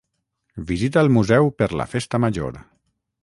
Visita el museu per la Festa Major!